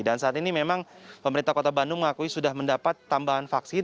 dan saat ini memang pemerintah kota bandung mengakui sudah mendapat tambahan vaksin